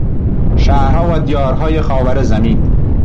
شهرها و دیارهای خاورزمین